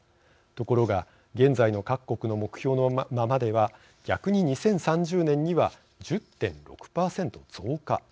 ところが現在の各国の目標のままでは逆に２０３０年には１０．６％増加。